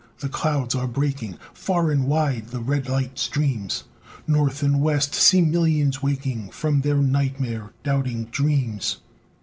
The clouds are breaking, Far and wide the red light streams, North and west see millions waking From their night mare, doubting dreams.